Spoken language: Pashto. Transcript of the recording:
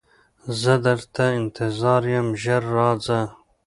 زه درته انتظار یم ژر راځه